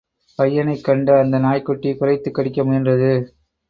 பையனைக் கண்ட அந்த நாய்க்குட்டி குரைத்துக் கடிக்க முயன்றது.